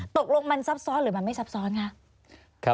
ตกลงมันซับซ้อนหรือมันไม่ซับซ้อนคะ